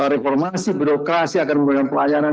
reformasi birokrasi akan memberikan pelayanan